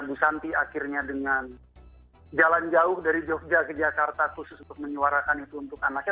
ibu santi akhirnya dengan jalan jauh dari jogja ke jakarta khusus untuk menyuarakan itu untuk anaknya